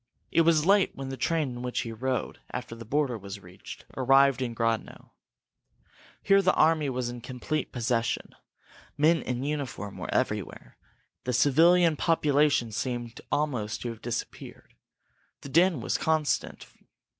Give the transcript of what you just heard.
It was late when the train in which he rode after the border was reached arrived in Grodno. Here the army was in complete possession. Men in uniform were everywhere; the civilian population seemed almost to have disappeared. The din was constant.